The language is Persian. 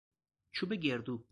چوب گردو